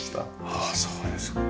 ああそうですか。